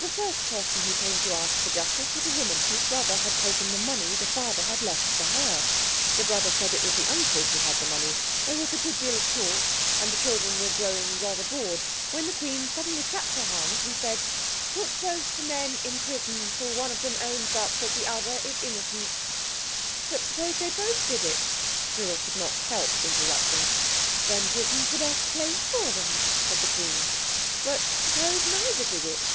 The first person who came to ask for justice was a woman whose brother had taken the money the father had left for her. The brother said it was the uncle who had the money. There was a good deal of talk and the children were growing rather bored, when the Queen suddenly clapped her hands, and said— "Put both the men in prison till one of them owns up that the other is innocent." "But suppose they both did it?" Cyril could not help interrupting. "Then prison's the best place for them," said the Queen. "But suppose neither did it."